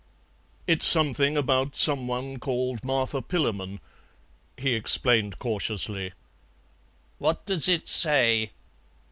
"It's something about some one called Martha Pillamon," he explained cautiously. "What does it say?"